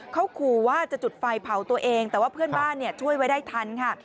เขาขู่ว่าจะจุดไฟเผาตัวเองแต่ว่าเพื่อนบ้านช่วยไว้ได้ทันค่ะ